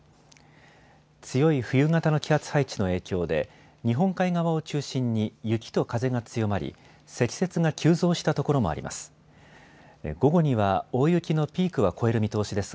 強い冬型の気圧配置の影響で日本海側を中心に雪と風が強まり積雪が急増したところもあります。